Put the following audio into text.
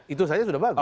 itu saja sudah bagus